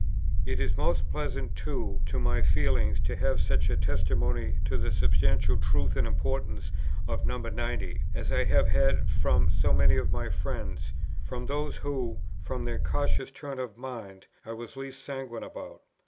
It is most pleasant too to my feelings, to have such a testimony to the substantial truth and importance of No. 90, as I have had from so many of my friends, from those who, from their cautious turn of mind, I was least sanguine about.